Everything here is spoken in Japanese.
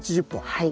はい。